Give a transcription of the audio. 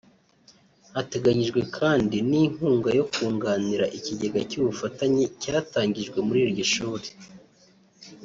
Hateganyijwe kandi n’inkunga yo kunganira ikigega cy’ubufatanye cyatangijwe muri iryo shuri